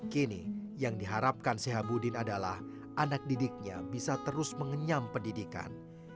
kini yang diharapkan sehabudin adalah anak didiknya bisa terus mengenyam pendidikan